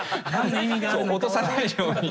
落とさないように。